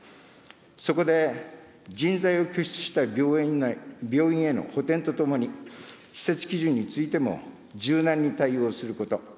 そこで、人材を拠出した病院への補填とともに、施設基準についても柔軟に対応すること。